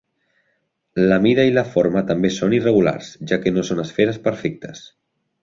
La mida i la forma també són irregulars, ja que no són esferes perfectes.